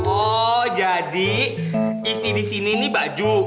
oh jadi isi disini nih baju